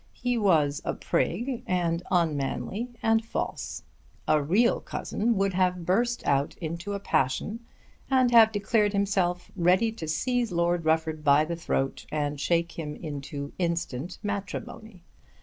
He was a prig, and unmanly, and false. A real cousin would have burst out into a passion and have declared himself ready to seize Lord Rufford by the throat and shake him into instant matrimony.